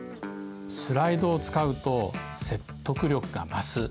スライドを使うと説得力が増す。